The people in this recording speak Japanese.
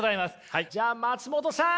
はいじゃあ松本さん。